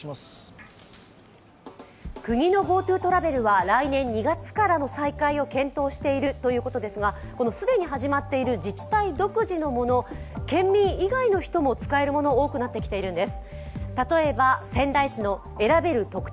国のＧｏＴｏトラベルは来年２月からの再開を検討しているということですが、既に始まっている自治体独自のもの県民以外の人も使えるもの、多くなってきているんです。